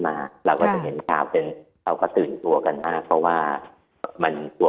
มาเราก็จะเห็นข่าวกันเขาก็ตื่นตัวกันมากเพราะว่ามันกลัว